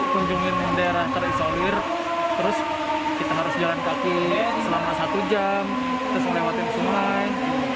kunjungi daerah terisolir terus kita harus jalan kaki selama satu jam terus melewati sungai